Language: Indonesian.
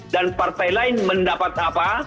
dan partai lain mendapat apa